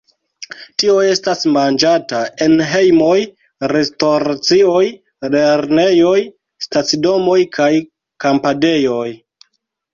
Tio estas manĝata en hejmoj, restoracioj, lernejoj, stacidomoj kaj kampadejoj.